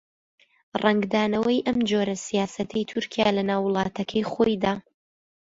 ڕەنگدانەوەی ئەم جۆرە سیاسەتەی تورکیا لەناو وڵاتەکەی خۆیدا